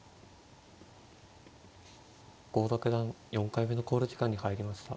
郷田九段４回目の考慮時間に入りました。